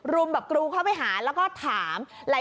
แบบกรูเข้าไปหาแล้วก็ถาม